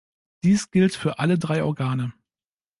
Dies gilt für alle drei Organe.